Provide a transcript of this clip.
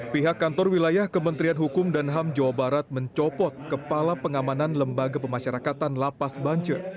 pihak kantor wilayah kementerian hukum dan ham jawa barat mencopot kepala pengamanan lembaga pemasyarakatan lapas bance